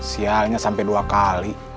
sialnya sampai dua kali